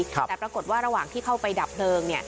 แต่ปรากฏว่าระหว่างที่เข้าไปดับเพลิง